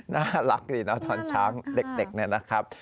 น่ารักนี่นะทอนช้างเด็กนะครับ